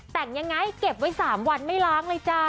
แต่งยังไงเก็บไว้๓วันไม่ล้างเลยจ้า